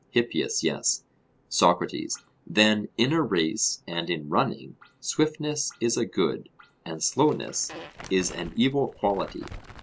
HIPPIAS: Yes. SOCRATES: Then in a race, and in running, swiftness is a good, and slowness is an evil quality?